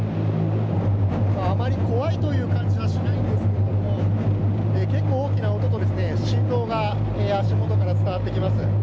あまり怖いという感じはしないですが結構、大きな音と振動が足元から伝わってきます。